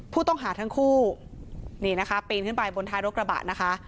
ผู้ต้องหาทั้งคู่นี่นะคะปีนขึ้นไปบนท้ายรถกระบะนะคะ